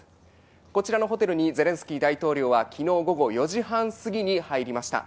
こちらのホテルにゼレンスキー大統領はきのう午後４時半過ぎに入りました。